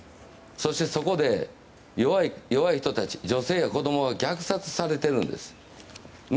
そして、そこで弱い人たち、女性や子供が虐殺されているんです。